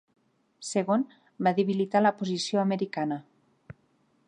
Segon, va debilitar la posició americana.